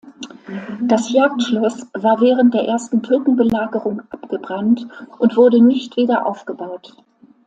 Das Jagdschloss war während der ersten Türkenbelagerung abgebrannt und wurde nicht wieder aufgebaut.